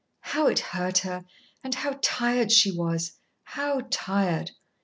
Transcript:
How it hurt her, and how tired she was how tired!